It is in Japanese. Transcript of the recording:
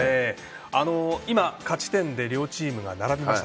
今、勝ち点で両チームが並びました。